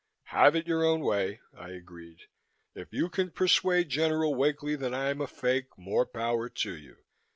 "Have it your own way," I agreed. "If you can persuade General Wakely that I'm a fake, more power to you.